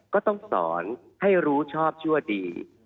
ก็ต้องสอนให้รู้ชอบชั่วดี